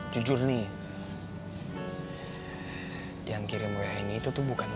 jujur nih yang kirim wa ini tuh bukan gue